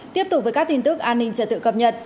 tiếp tục với các tin tức an ninh trật tự cập nhật